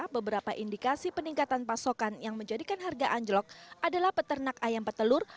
beberapa indikasi peningkatan pasokan yang menjadikan harga anjlok adalah peternak ayam petelur